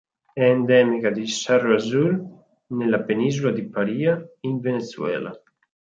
È endemica di Cerro Azul nella penisola di Paria in Venezuela.